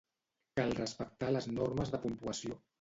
Cal respectar les normes de puntuació.